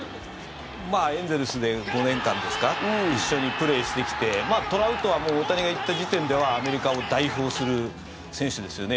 エンゼルスで５年間ですか一緒にプレーしてきてトラウトはもう大谷が行った時点ではアメリカを代表する選手ですよね。